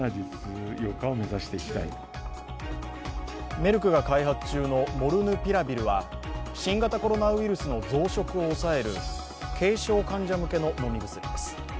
メルクが開発中のモルヌピラビルは新型コロナウイルスの増殖を抑える軽症患者向けの飲み薬です。